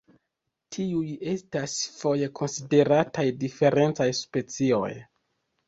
Tiuj estas foje konsiderataj diferencaj specioj.